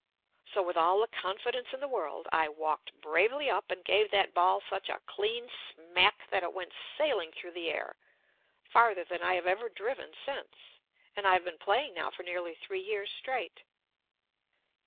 So with all the confidence in the world, I walked bravely up and gave that ball such a clean smack that it went sailing through the air, farther than I have ever driven since (and I have been playing now for nearly three years straight)